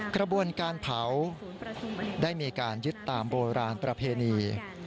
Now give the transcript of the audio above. กระบวนการเผาได้มีการยึดตามโบราณประเพณี